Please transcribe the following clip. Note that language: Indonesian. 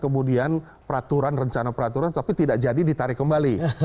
kemudian peraturan rencana peraturan tapi tidak jadi ditarik kembali